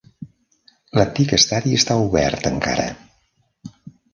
L"antic estadi està obert encara.